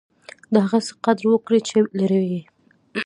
د هغه څه قدر وکړئ، چي لرى يې.